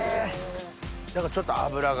だからちょっと脂が。